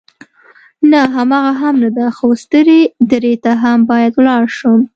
نه، هماغه هم نه ده، خو سترې درې ته هم باید ولاړ شم.